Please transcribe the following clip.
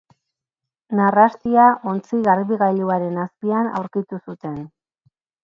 Narrastia ontzi-garbigailuaren azpian aurkitu zuten.